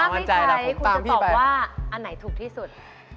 มั่นใจนะผมตามพี่ไปถ้าไม่ใช้คุณจะตอบว่าอันไหนถูกที่สุด